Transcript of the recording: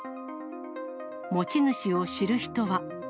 持ち主を知る人は。